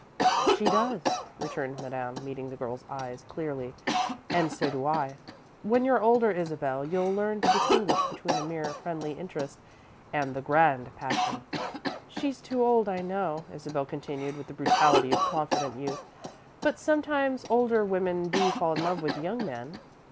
"She does," returned Madame, meeting the girl's eyes clearly, "and so do I. When you're older, Isabel, you'll learn to distinguish between a mere friendly interest and the grand passion." "She's too old, I know," Isabel continued, with the brutality of confident youth, "but sometimes older women do fall in love with young men."